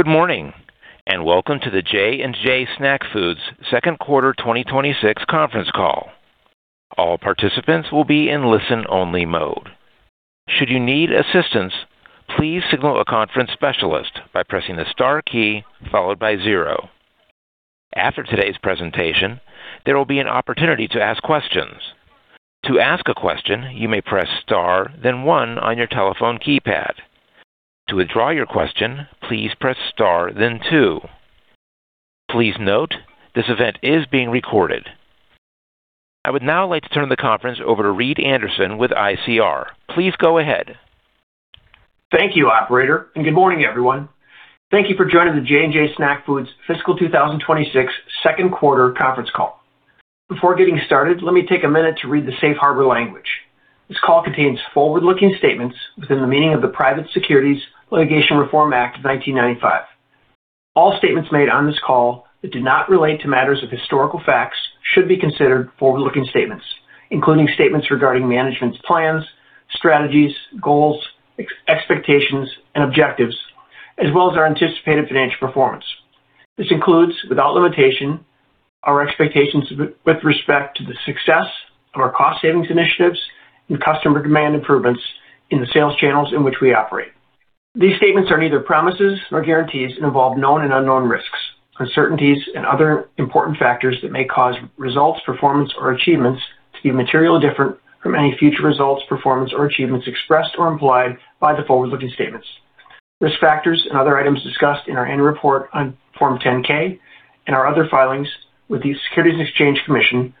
Good morning, and welcome to the J&J Snack Foods Second Quarter 2026 Conference Call. All participants will be in listen-only mode. Should you need assistance, please call a conference specialist by pressing the star key followed by zero. After today's presentation, there will be an opportunity to ask questions. To ask a question, you may press star then one on your telephone keypad. To withdraw your question, please press star then two. Please note, this event is being recorded. I would now like to turn the conference over to Reed Anderson with ICR. Please go ahead. Thank you, operator, and good morning, everyone. Thank you for joining the J&J Snack Foods Fiscal 2026 Second Quarter Conference Call. Before getting started, let me take a minute to read the safe harbor language. This call contains forward-looking statements within the meaning of the Private Securities Litigation Reform Act of 1995. All statements made on this call that do not relate to matters of historical facts should be considered forward-looking statements, including statements regarding management's plans, strategies, goals, expectations, and objectives, as well as our anticipated financial performance. This includes, without limitation, our expectations with respect to the success of our cost savings initiatives and customer demand improvements in the sales channels in which we operate. These statements are neither promises nor guarantees and involve known and unknown risks, uncertainties, and other important factors that may cause results, performance, or achievements to be materially different from any future results, performance, or achievements expressed or implied by the forward-looking statements. Risk factors and other items discussed in our annual report on Form 10-K and our other filings with the Securities and Exchange Commission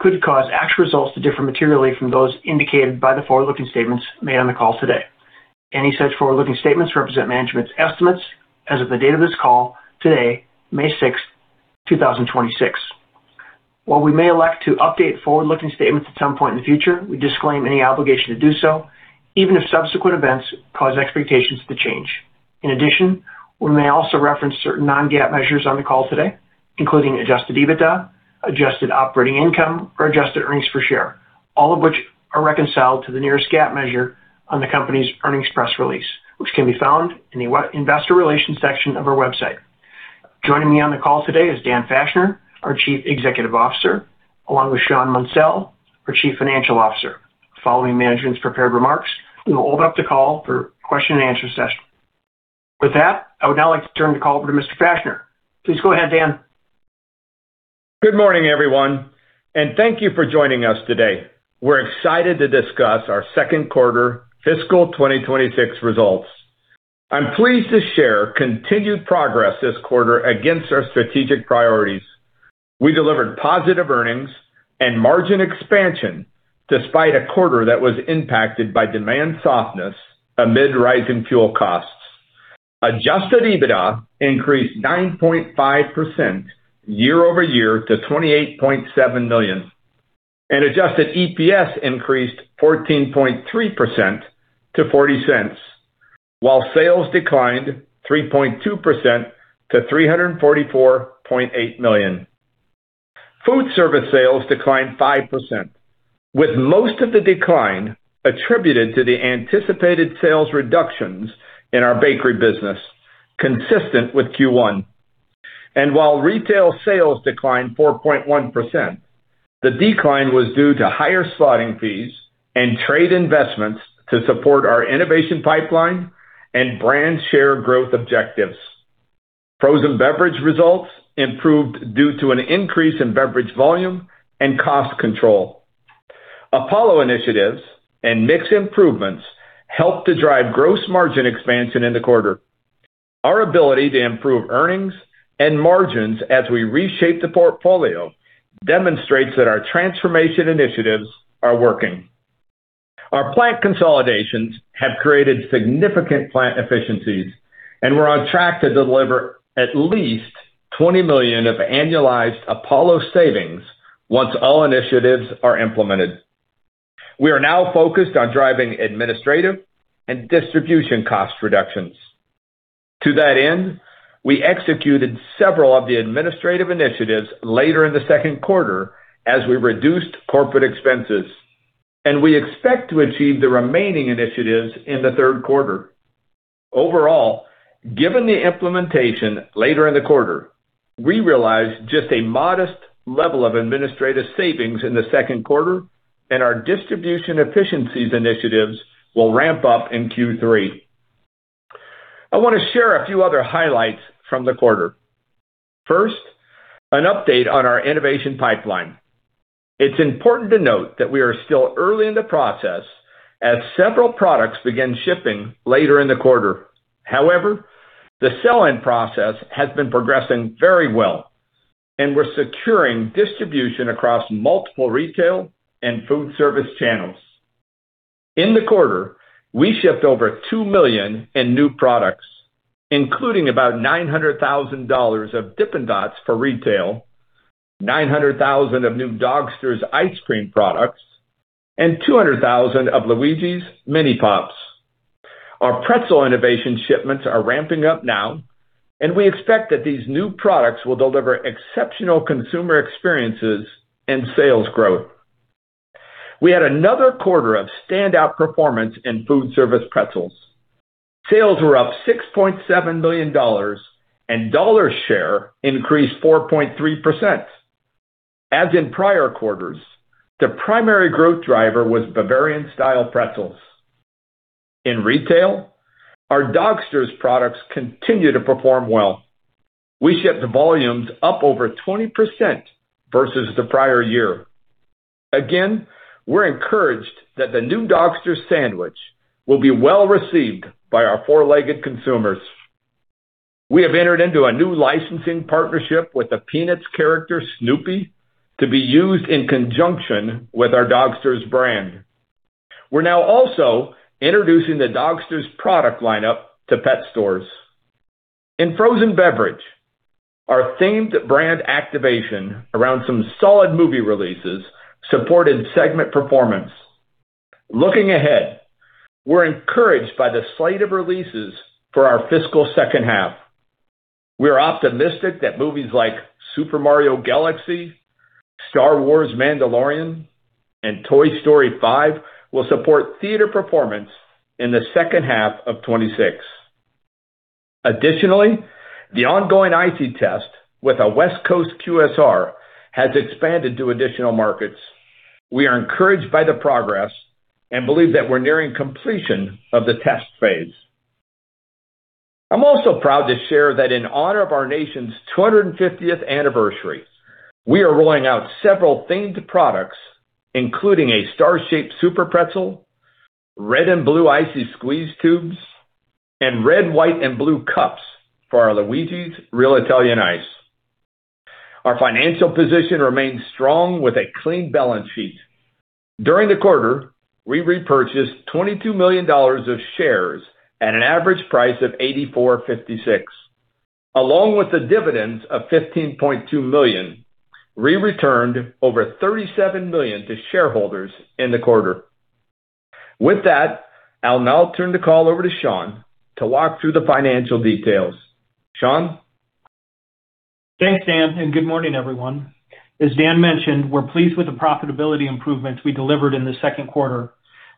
could cause actual results to differ materially from those indicated by the forward-looking statements made on the call today. Any such forward-looking statements represent management's estimates as of the date of this call today, May 6, 2026. While we may elect to update forward-looking statements at some point in the future, we disclaim any obligation to do so even if subsequent events cause expectations to change. In addition, we may also reference certain non-GAAP measures on the call today, including adjusted EBITDA, adjusted operating income, or adjusted earnings per share, all of which are reconciled to the nearest GAAP measure on the company's earnings press release, which can be found in the investor relations section of our website. Joining me on the call today is Dan Fachner, our Chief Executive Officer, along with Shawn Munsell, our Chief Financial Officer. Following management's prepared remarks, we will open up the call for question and answer session. I would now like to turn the call over to Mr. Fachner. Please go ahead, Dan. Good morning, everyone, and thank you for joining us today. We're excited to discuss our second quarter fiscal 2026 results. I'm pleased to share continued progress this quarter against our strategic priorities. We delivered positive earnings and margin expansion despite a quarter that was impacted by demand softness amid rising fuel costs. Adjusted EBITDA increased 9.5% year-over-year to $28.7 million and adjusted EPS increased 14.3% to $0.40 while sales declined 3.2% to $344.8 million. Food service sales declined 5%, with most of the decline attributed to the anticipated sales reductions in our bakery business consistent with Q1. While retail sales declined 4.1%, the decline was due to higher slotting fees and trade investments to support our innovation pipeline and brand share growth objectives. Frozen beverage results improved due to an increase in beverage volume and cost control. Apollo initiatives and mix improvements helped to drive gross margin expansion in the quarter. Our ability to improve earnings and margins as we reshape the portfolio demonstrates that our transformation initiatives are working. Our plant consolidations have created significant plant efficiencies and we're on track to deliver at least $20 million of annualized Apollo savings once all initiatives are implemented. We are now focused on driving administrative and distribution cost reductions. To that end, we executed several of the administrative initiatives later in the second quarter as we reduced corporate expenses, and we expect to achieve the remaining initiatives in the third quarter. Overall, given the implementation later in the quarter, we realized just a modest level of administrative savings in the second quarter and our distribution efficiencies initiatives will ramp up in Q3. I want to share a few other highlights from the quarter. First, an update on our innovation pipeline. It's important to note that we are still early in the process as several products begin shipping later in the quarter. The sell-in process has been progressing very well and we're securing distribution across multiple retail and food service channels. In the quarter, we shipped over $2 million in new products, including about $900,000 of Dippin' Dots for retail, $900,000 of new Dogsters ice cream products, and $200,000 of Luigi's Mini Pops. Our pretzel innovation shipments are ramping up now, and we expect that these new products will deliver exceptional consumer experiences and sales growth. We had another quarter of standout performance in food service pretzels. Sales were up $6.7 million and dollar share increased 4.3%. As in prior quarters, the primary growth driver was Bavarian style pretzels. In retail, our Dogsters products continue to perform well. We shipped volumes up over 20% versus the prior year. Again, we're encouraged that the new Dogsters sandwich will be well-received by our four-legged consumers. We have entered into a new licensing partnership with the Peanuts character Snoopy to be used in conjunction with our Dogsters brand. We're now also introducing the Dogsters product lineup to pet stores. In frozen beverage, our themed brand activation around some solid movie releases supported segment performance. Looking ahead, we're encouraged by the slate of releases for our fiscal second half. We are optimistic that movies like Super Mario Galaxy, Star Wars: Mandalorian, and Toy Story 5 will support theater performance in the second half of 2026. Additionally, the ongoing ICEE test with a West Coast QSR has expanded to additional markets. We are encouraged by the progress and believe that we're nearing completion of the test phase. I'm also proud to share that in honor of our nation's 250th anniversary, we are rolling out several themed products, including a star-shaped SUPERPRETZEL, red and blue ICEE squeeze tubes, and red, white and blue cups for our LUIGI'S Real Italian Ice. Our financial position remains strong with a clean balance sheet. During the quarter, we repurchased $22 million of shares at an average price of $84.56. Along with the dividends of $15.2 million, we returned over $37 million to shareholders in the quarter. With that, I'll now turn the call over to Shawn to walk through the financial details. Shawn? Thanks, Dan, and good morning, everyone. As Dan mentioned, we're pleased with the profitability improvements we delivered in the second quarter,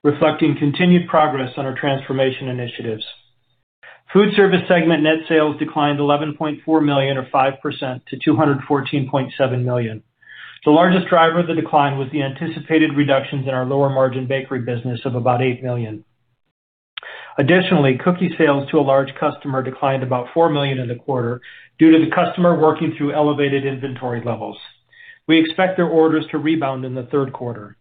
reflecting continued progress on our transformation initiatives. Food service segment net sales declined $11.4 million or 5% to $214.7 million. The largest driver of the decline was the anticipated reductions in our lower margin bakery business of about $8 million. Additionally, cookie sales to a large customer declined about $4 million in the quarter due to the customer working through elevated inventory levels. We expect their orders to rebound in the third quarter.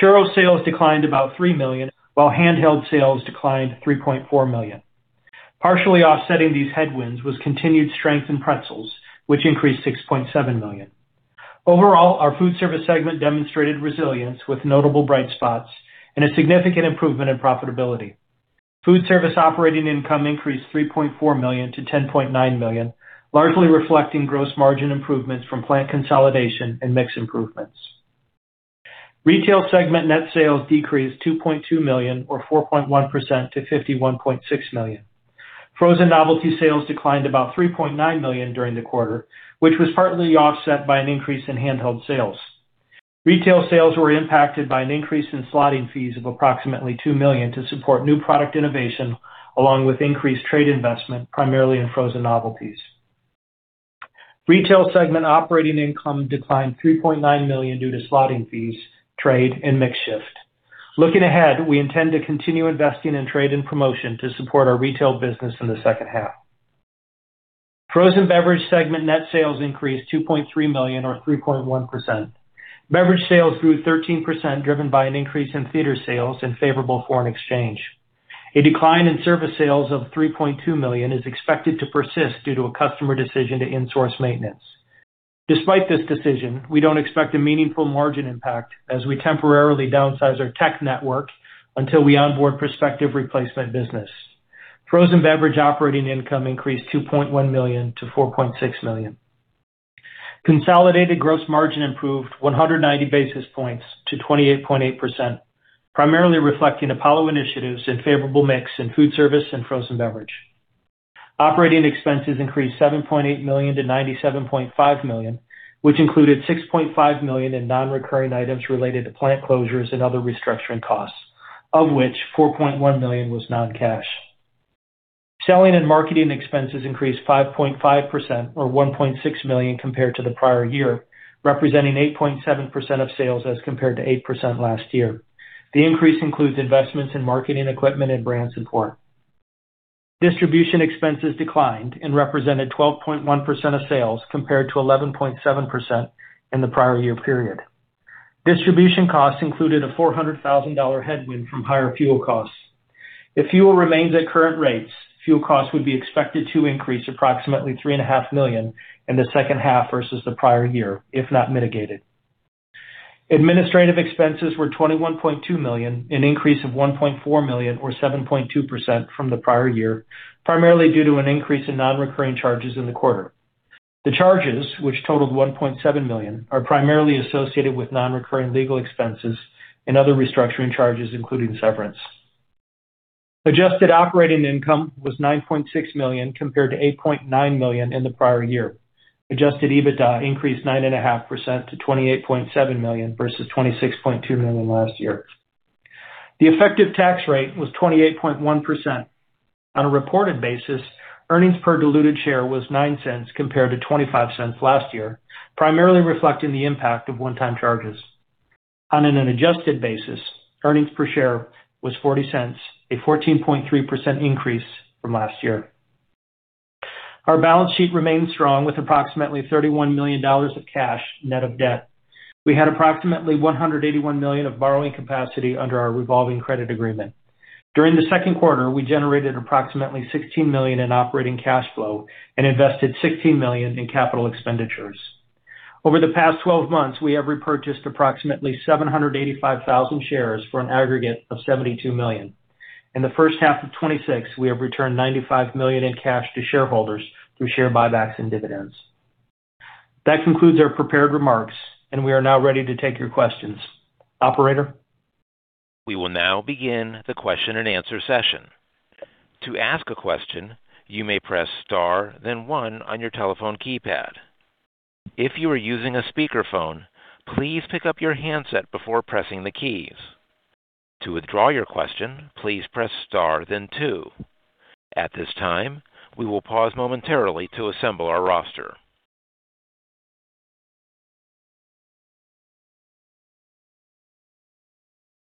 Churros sales declined about $3 million while handheld sales declined $3.4 million. Partially offsetting these headwinds was continued strength in pretzels, which increased $6.7 million. Overall, our food service segment demonstrated resilience with notable bright spots and a significant improvement in profitability. Food service operating income increased $3.4 million-$10.9 million, largely reflecting gross margin improvements from plant consolidation and mix improvements. Retail segment net sales decreased $2.2 million or 4.1% to $51.6 million. Frozen novelty sales declined about $3.9 million during the quarter, which was partly offset by an increase in handheld sales. Retail sales were impacted by an increase in slotting fees of approximately $2 million to support new product innovation, along with increased trade investment, primarily in frozen novelties. Retail segment operating income declined $3.9 million due to slotting fees, trade, and mix shift. Looking ahead, we intend to continue investing in trade and promotion to support our retail business in the second half. Frozen beverage segment net sales increased $2.3 million or 3.1%. Beverage sales grew 13%, driven by an increase in theater sales and favorable foreign exchange. A decline in service sales of $3.2 million is expected to persist due to a customer decision to insource maintenance. Despite this decision, we don't expect a meaningful margin impact as we temporarily downsize our tech network until we onboard prospective replacement business. Frozen beverage operating income increased $2.1 million-$4.6 million. Consolidated gross margin improved 190 basis points to 28.8%, primarily reflecting Apollo initiatives and favorable mix in food service and frozen beverage. Operating expenses increased $7.8 million-$97.5 million, which included $6.5 million in non-recurring items related to plant closures and other restructuring costs, of which $4.1 million was non-cash. Selling and marketing expenses increased 5.5% or $1.6 million compared to the prior year, representing 8.7% of sales as compared to 8% last year. The increase includes investments in marketing equipment and brand support. Distribution expenses declined and represented 12.1% of sales compared to 11.7% in the prior year period. Distribution costs included a $400,000 headwind from higher fuel costs. If fuel remains at current rates, fuel costs would be expected to increase approximately $3.5 million in the second half versus the prior year, if not mitigated. Administrative expenses were $21.2 million, an increase of $1.4 million or 7.2% from the prior year, primarily due to an increase in non-recurring charges in the quarter. The charges, which totaled $1.7 million, are primarily associated with non-recurring legal expenses and other restructuring charges, including severance. Adjusted operating income was $9.6 million compared to $8.9 million in the prior year. Adjusted EBITDA increased 9.5% to $28.7 million versus $26.2 million last year. The effective tax rate was 28.1%. On a reported basis, earnings per diluted share was $0.09 compared to $0.25 last year, primarily reflecting the impact of one-time charges. On an adjusted basis, earnings per share was $0.40, a 14.3% increase from last year. Our balance sheet remains strong with approximately $31 million of cash net of debt. We had approximately $181 million of borrowing capacity under our revolving credit agreement. During the second quarter, we generated approximately $16 million in operating cash flow and invested $16 million in capital expenditures. Over the past 12 months, we have repurchased approximately 785,000 shares for an aggregate of $72 million. In the first half of 2026, we have returned $95 million in cash to shareholders through share buybacks and dividends. That concludes our prepared remarks, and we are now ready to take your questions. Operator? We will now begin the question and answer session. To ask a question, you may press star then one on your telephone keypad. If your using a speaker phone, please pick up your handset before pressing the keys. To withdraw your question, please press star then two. At this time, we will pause momentarily to assemble our roster.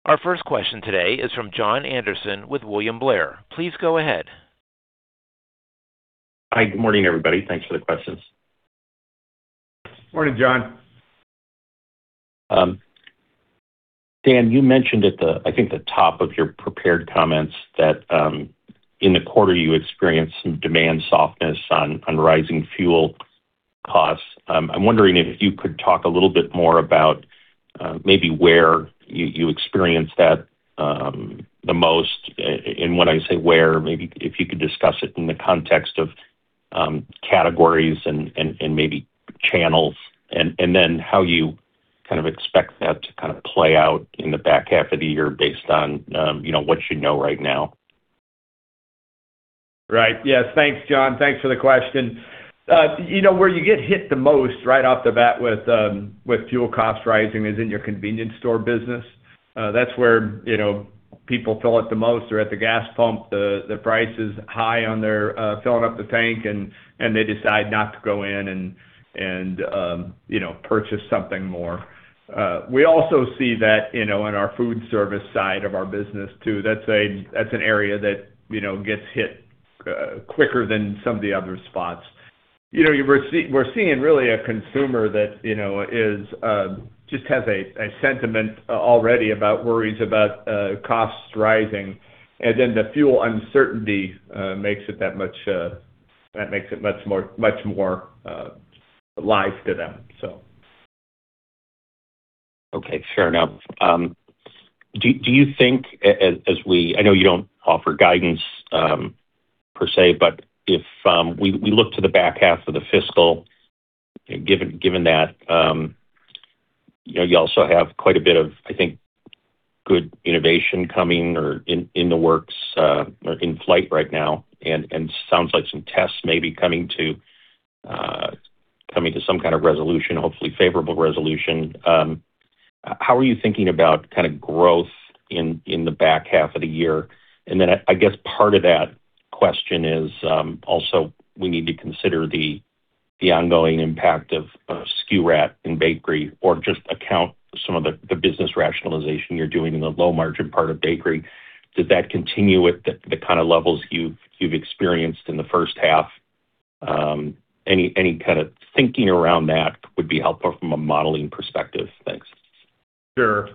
Our first question today is from Jon Andersen with William Blair. Please go ahead. Hi. Good morning, everybody. Thanks for the questions. Morning, Jon. Dan, you mentioned at the, I think, the top of your prepared comments that in the quarter you experienced some demand softness on rising fuel costs. I'm wondering if you could talk a little bit more about maybe where you experienced that the most. When I say where, maybe if you could discuss it in the context of categories and maybe channels, and then how you kind of expect that to kind of play out in the back half of the year based on, you know, what you know right now. Right. Yes. Thanks, Jon. Thanks for the question. You know, where you get hit the most right off the bat with fuel costs rising is in your convenience store business. That's where, you know, people feel it the most. They're at the gas pump, the price is high on their filling up the tank and they decide not to go in and, you know, purchase something more. We also see that, you know, in our food service side of our business too. That's an area that, you know, gets hit quicker than some of the other spots. You know, we're seeing really a consumer that, you know, is just has a sentiment already about worries about costs rising. The fuel uncertainty, that makes it much more, live to them. Okay. Fair enough. Do you think as we I know you don't offer guidance, per se, but if we look to the back half of the fiscal, given that, you know, you also have quite a bit of, I think, good innovation coming or in the works, or in flight right now, and sounds like some tests may be coming to coming to some kind of resolution, hopefully favorable resolution, how are you thinking about kind of growth in the back half of the year? And then I guess part of that question is, also we need to consider the ongoing impact of SKURAT in bakery or just account some of the business rationalization you're doing in the low margin part of bakery. Does that continue at the kind of levels you've experienced in the first half? Any kind of thinking around that would be helpful from a modeling perspective. Thanks. Sure.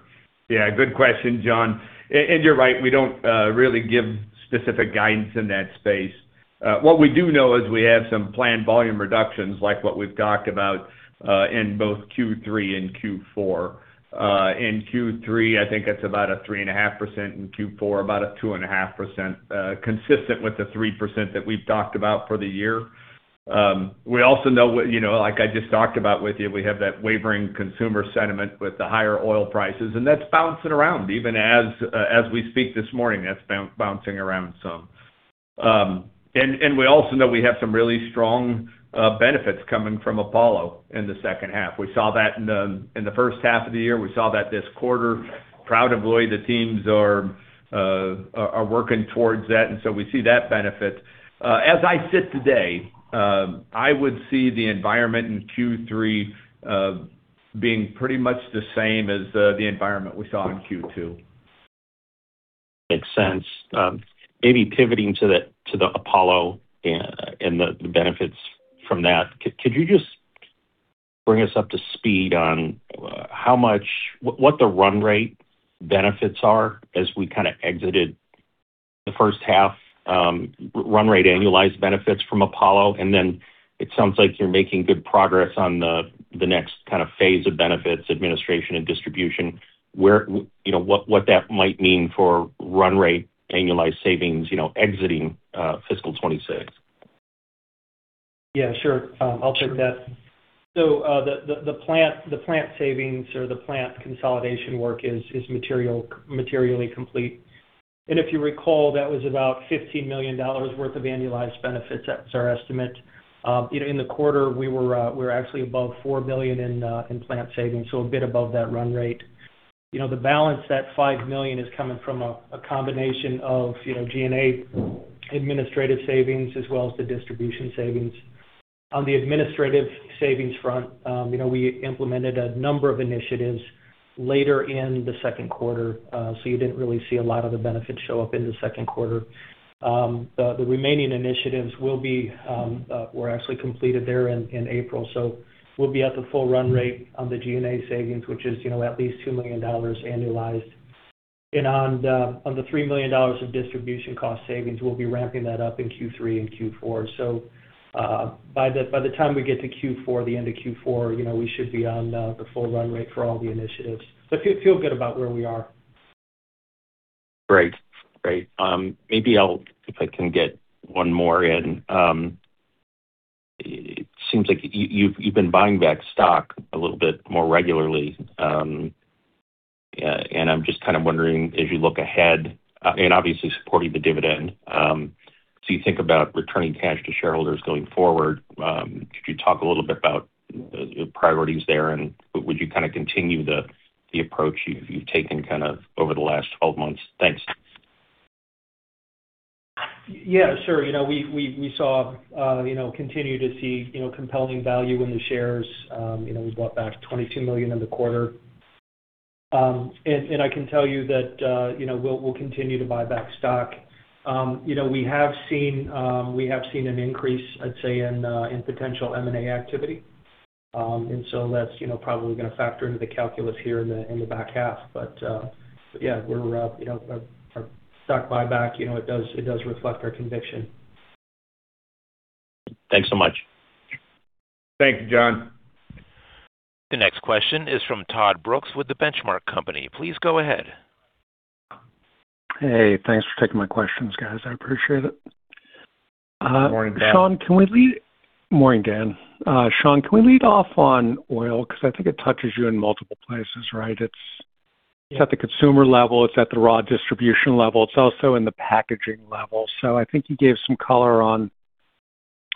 Yeah, good question, Jon. You're right, we don't really give specific guidance in that space. What we do know is we have some planned volume reductions like what we've talked about in both Q3 and Q4. In Q3, I think that's about a 3.5%. In Q4, about a 2.5%, consistent with the 3% that we've talked about for the year. We also know you know, like I just talked about with you, we have that wavering consumer sentiment with the higher oil prices, and that's bouncing around. Even as we speak this morning, that's bouncing around some. And we also know we have some really strong benefits coming from Apollo in the second half. We saw that in the first half of the year. We saw that this quarter. Proud of the way the teams are working towards that, and so we see that benefit. As I sit today, I would see the environment in Q3 being pretty much the same as the environment we saw in Q2. Makes sense. Maybe pivoting to the Apollo and the benefits from that. Could you just bring us up to speed on what the run rate benefits are as we kind of exited the first half, run rate annualized benefits from Apollo? Then it sounds like you're making good progress on the next kind of phase of benefits, administration and distribution, you know, what that might mean for run rate annualized savings, you know, exiting fiscal 2026. Yeah, sure. I'll take that. The plant savings or the plant consolidation work is materially complete. If you recall, that was about $50 million worth of annualized benefits. That was our estimate. You know, in the quarter, we're actually above $4 million in plant savings, so a bit above that run rate. You know, the balance, that $5 million, is coming from a combination of, you know, G&A administrative savings as well as the distribution savings. On the administrative savings front, you know, we implemented a number of initiatives later in the second quarter, you didn't really see a lot of the benefits show up in the second quarter. The remaining initiatives will be actually completed there in April, so we'll be at the full run rate on the G&A savings, which is, you know, at least $2 million annualized. On the $3 million of distribution cost savings, we'll be ramping that up in Q3 and Q4. By the time we get to Q4, the end of Q4, you know, we should be on the full run rate for all the initiatives. Feel good about where we are. Great. Great. Maybe if I can get one more in. It seems like you've been buying back stock a little bit more regularly. I'm just kind of wondering, as you look ahead, obviously supporting the dividend, so you think about returning cash to shareholders going forward, could you talk a little bit about the priorities there, would you kinda continue the approach you've taken kind of over the last 12 months? Thanks. Yeah, sure. You know, we saw, you know, continue to see, you know, compelling value in the shares. You know, we bought back $22 million in the quarter. I can tell you that, you know, we'll continue to buy back stock. You know, we have seen an increase, I'd say, in potential M&A activity. That's, you know, probably gonna factor into the calculus here in the back half. Yeah, we're, you know, our stock buyback, you know, it does reflect our conviction. Thanks so much. Thank you, Jon. The next question is from Todd Brooks with The Benchmark Company. Please go ahead. Hey, thanks for taking my questions, guys. I appreciate it. Morning, Todd. Morning, Dan. Shawn, can we lead off on oil? 'Cause I think it touches you in multiple places, right? Yeah At the consumer level, it's at the raw distribution level, it's also in the packaging level. I think you gave some color on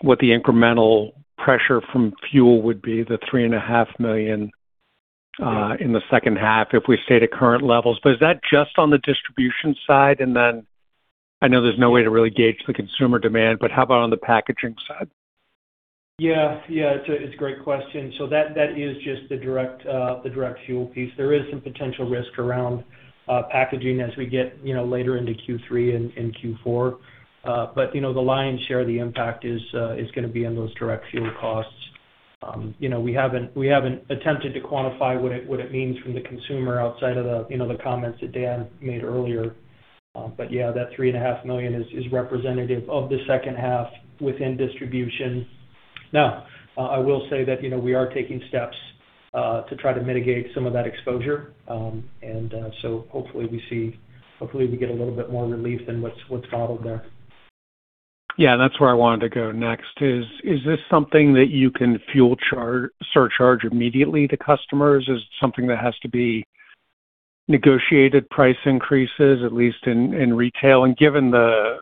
what the incremental pressure from fuel would be, the three and a half million, in the second half if we stay at current levels. Is that just on the distribution side? I know there's no way to really gauge the consumer demand, how about on the packaging side? Yeah. Yeah, it's a great question. That is just the direct fuel piece. There is some potential risk around packaging as we get, you know, later into Q3 and Q4. The lion's share of the impact is gonna be on those direct fuel costs. You know, we haven't attempted to quantify what it means from the consumer outside of the, you know, the comments that Dan made earlier. Yeah, that $3.5 million is representative of the second half within distribution. Now, I will say that, you know, we are taking steps to try to mitigate some of that exposure. Hopefully we get a little bit more relief than what's modeled there. Yeah, that's where I wanted to go next, is this something that you can fuel surcharge immediately to customers? Is it something that has to be negotiated price increases, at least in retail? Given the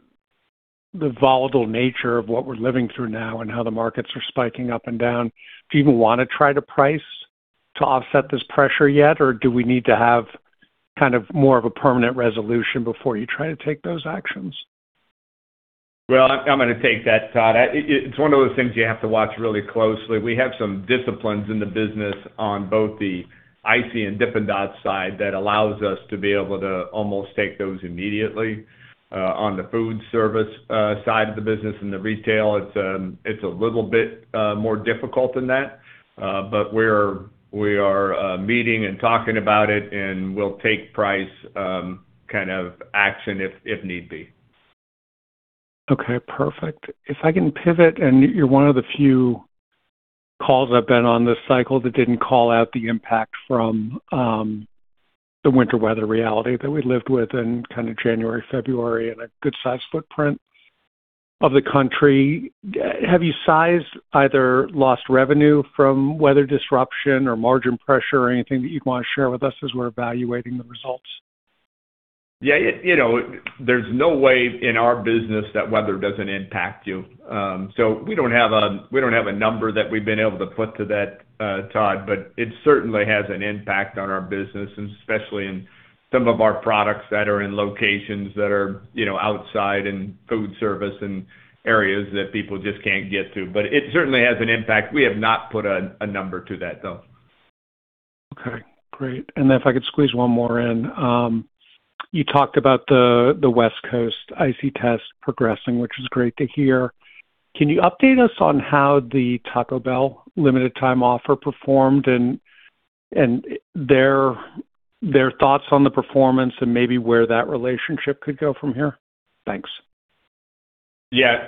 volatile nature of what we're living through now and how the markets are spiking up and down, do you even wanna try to price to offset this pressure yet? Or do we need to have kind of more of a permanent resolution before you try to take those actions? Well, I'm gonna take that, Todd. It's one of those things you have to watch really closely. We have some disciplines in the business on both the ICEE and Dippin' Dots side that allows us to be able to almost take those immediately. On the food service side of the business and the retail, it's a little bit more difficult than that. We are meeting and talking about it, and we'll take price kind of action if need be. Okay, perfect. If I can pivot, you're one of the few calls I've been on this cycle that didn't call out the impact from the winter weather reality that we lived with in kind of January, February in a good-sized footprint of the country. Have you sized either lost revenue from weather disruption or margin pressure or anything that you'd wanna share with us as we're evaluating the results? You know, there's no way in our business that weather doesn't impact you. We don't have a number that we've been able to put to that, Todd, but it certainly has an impact on our business, and especially in some of our products that are in locations that are, you know, outside and food service and areas that people just can't get to. It certainly has an impact. We have not put a number to that, though. Okay, great. If I could squeeze one more in. You talked about the West Coast ICEE test progressing, which is great to hear. Can you update us on how the Taco Bell limited time offer performed and their thoughts on the performance and maybe where that relationship could go from here? Thanks.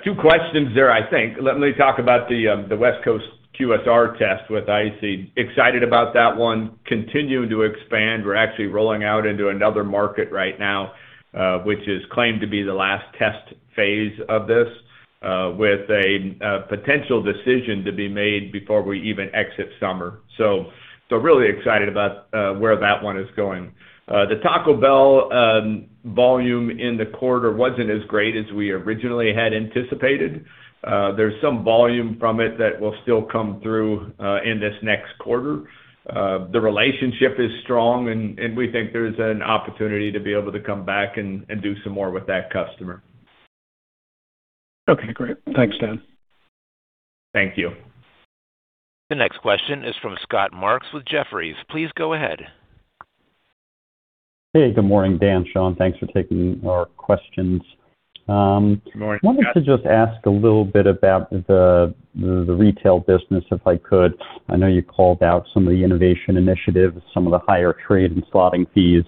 Two questions there, I think. Let me talk about the West Coast QSR test with ICEE. Excited about that one. Continuing to expand. We're actually rolling out into another market right now, which is claimed to be the last test phase of this, with a potential decision to be made before we even exit summer. Really excited about where that one is going. The Taco Bell volume in the quarter wasn't as great as we originally had anticipated. There's some volume from it that will still come through in this next quarter. The relationship is strong and we think there's an opportunity to be able to come back and do some more with that customer. Okay, great. Thanks, Dan. Thank you. The next question is from Scott Marks with Jefferies. Please go ahead. Hey, good morning, Dan, Shawn Munsell. Thanks for taking our questions. Good morning, Scott. Wanted to just ask a little bit about the retail business, if I could. I know you called out some of the innovation initiatives, some of the higher trade and slotting fees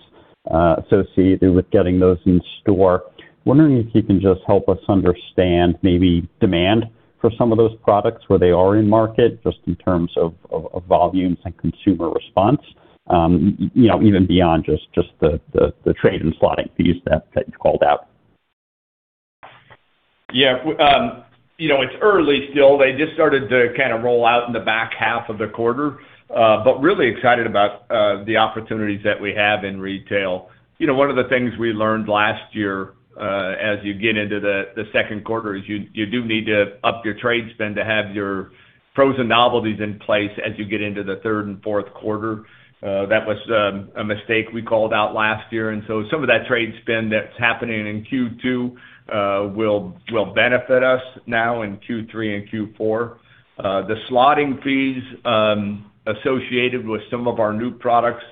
associated with getting those in store. Wondering if you can just help us understand maybe demand for some of those products where they are in market, just in terms of volumes and consumer response, you know, even beyond the trade and slotting fees that you called out. You know, it's early still. They just started to kinda roll out in the back half of the quarter. Really excited about the opportunities that we have in retail. You know, one of the things we learned last year, as you get into the second quarter is you do need to up your trade spend to have your frozen novelties in place as you get into the third and fourth quarter. That was a mistake we called out last year, some of that trade spend that's happening in Q2 will benefit us now in Q3 and Q4. The slotting fees associated with some of our new products,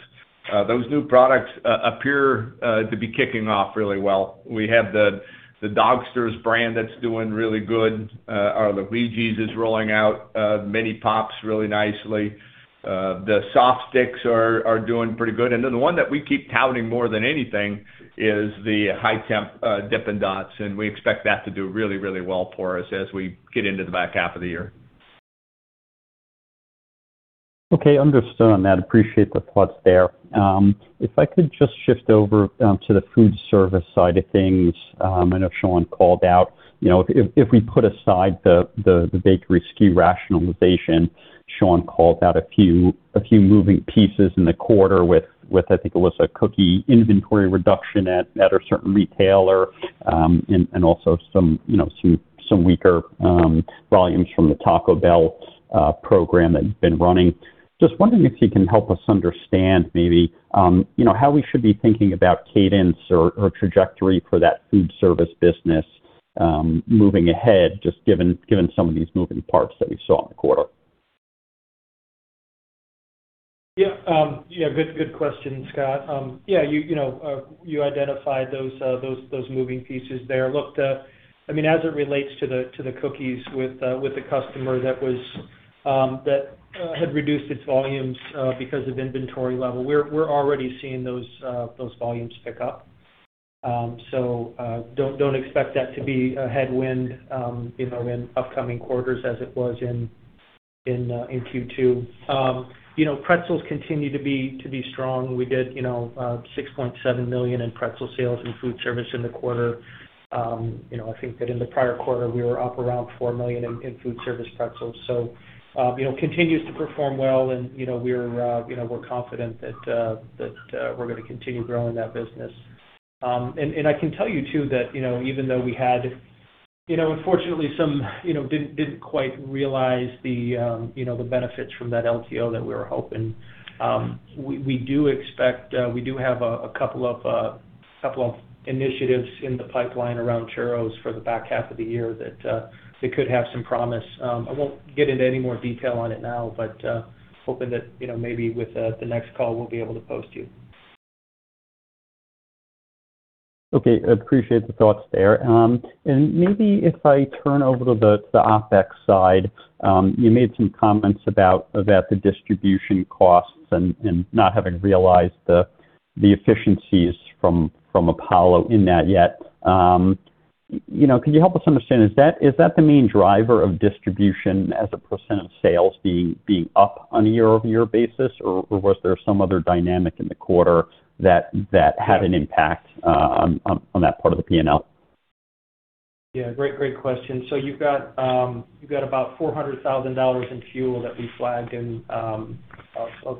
those new products appear to be kicking off really well. We have the Dogsters brand that's doing really good. Our LUIGI'S is rolling out mini pops really nicely. The Softstix are doing pretty good. The one that we keep touting more than anything is the high temp Dippin' Dots, and we expect that to do really, really well for us as we get into the back half of the year. Okay. Understood on that. Appreciate the thoughts there. If I could just shift over to the food service side of things. I know Shawn called out, you know, if we put aside the bakery SKU rationalization, Shawn called out a few moving pieces in the quarter with I think it was a cookie inventory reduction at a certain retailer, and also, you know, some weaker volumes from the Taco Bell program that you've been running. Just wondering if you can help us understand maybe, you know, how we should be thinking about cadence or trajectory for that food service business moving ahead, just given some of these moving parts that we saw in the quarter. Good question, Scott. You know, you identified those moving pieces there. I mean, as it relates to the cookies with the customer that had reduced its volumes because of inventory level, we're already seeing those volumes pick up. So, don't expect that to be a headwind, you know, in upcoming quarters as it was in Q2. You know, SUPERPRETZEL continue to be strong. We did, you know, $6.7 million in SUPERPRETZEL sales and food service in the quarter. You know, I think that in the prior quarter we were up around $4 million in food service SUPERPRETZEL. You know, continues to perform well and, you know, we're, you know, we're confident that that we're gonna continue growing that business. And I can tell you too that, you know, even though we had You know, unfortunately some, you know, didn't quite realize the, you know, the benefits from that LTO that we were hoping. We do expect, we do have a couple of initiatives in the pipeline around churros for the back half of the year that could have some promise. I won't get into any more detail on it now, but hoping that, you know, maybe with the next call we'll be able to post you. Okay. Appreciate the thoughts there. Maybe if I turn over to the OpEx side, you made some comments about the distribution costs and not having realized the efficiencies from Apollo in that yet. You know, can you help us understand, is that the main driver of distribution as a percent of sales being up on a year-over-year basis, or was there some other dynamic in the quarter that had an impact on that part of the P&L? Yeah, great question. You've got about $400,000 in fuel that we flagged in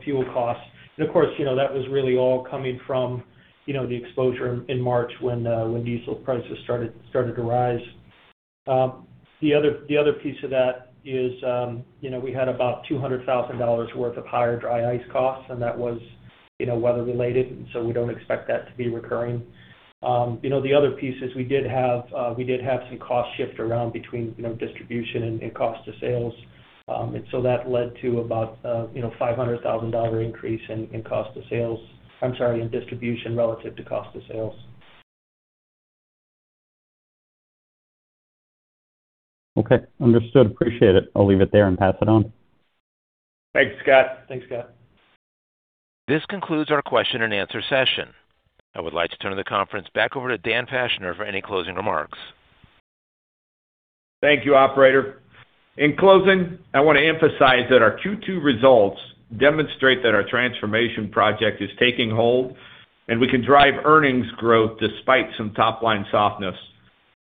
fuel costs. Of course, you know, that was really all coming from, you know, the exposure in March when diesel prices started to rise. The other piece of that is, you know, we had about $200,000 worth of higher dry ice costs and that was, you know, weather related, we don't expect that to be recurring. You know, the other piece is we did have some costs shift around between, you know, distribution and cost of sales. That led to about, you know, a $500,000 increase in cost of sales, I'm sorry, in distribution relative to cost of sales. Okay. Understood. Appreciate it. I'll leave it there and pass it on. Thanks, Scott. Thanks, Scott. This concludes our question and answer session. I would like to turn the conference back over to Dan Fachner for any closing remarks. Thank you, Operator. In closing, I wanna emphasize that our Q2 results demonstrate that our transformation project is taking hold, and we can drive earnings growth despite some top-line softness.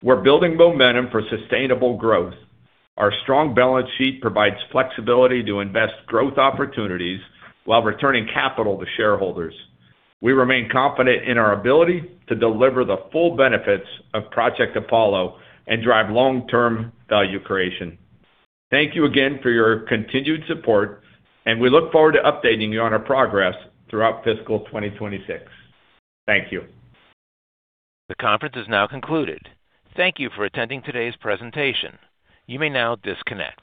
We're building momentum for sustainable growth. Our strong balance sheet provides flexibility to invest growth opportunities while returning capital to shareholders. We remain confident in our ability to deliver the full benefits of Project Apollo and drive long-term value creation. Thank you again for your continued support, and we look forward to updating you on our progress throughout fiscal 2026. Thank you. The conference is now concluded. Thank you for attending today's presentation. You may now disconnect.